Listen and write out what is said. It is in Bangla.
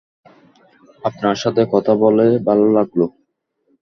আপনার সাথে কথা বলে ভালো লাগলো।